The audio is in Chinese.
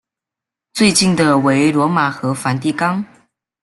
最近的为罗马和梵蒂冈。